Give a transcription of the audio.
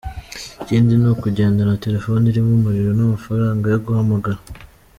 Ikindi ni ukugendana telefone irimo umuriro n’amafaranga yo guhamagara.